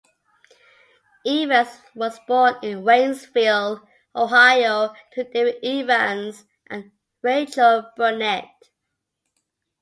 Evans was born in Waynesville, Ohio to David Evans and Rachel Burnett.